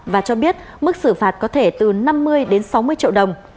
và cho biết mức xử phạt có thể từ năm mươi đến sáu mươi triệu đồng